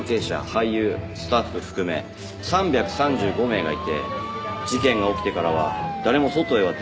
俳優スタッフ含め３３５名がいて事件が起きてからは誰も外へは出ていないそうです。